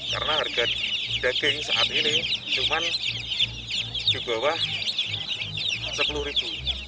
karena harga daging saat ini cuma di bawah rp sepuluh